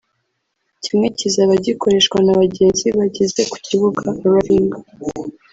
kimwe kizaba gikoreshwa n’abagenzi bageze ku kibuga (arriving)